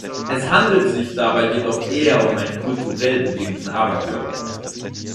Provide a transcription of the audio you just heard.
Es handelt sich dabei jedoch eher um einen kulturell bedingten Aberglauben.